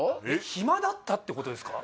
ヒマだったってことですか？